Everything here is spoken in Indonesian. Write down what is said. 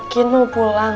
ibu yakin mau pulang